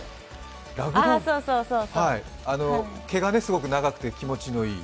毛がすごく長くて気持ちのいい。